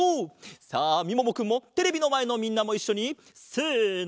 さあみももくんもテレビのまえのみんなもいっしょにせの！